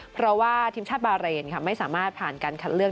เพราะว่าทีมชาติบาเรนค่ะไม่สามารถผ่านการคัดเลือก